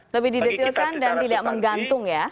lebih didetilkan dan tidak menggantung ya